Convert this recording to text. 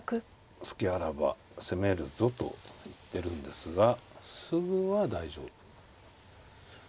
隙あらば攻めるぞと言ってるんですがすぐは大丈夫。